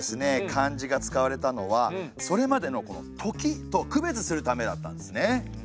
漢字が使われたのはそれまでの「とき」と区別するためだったんですね。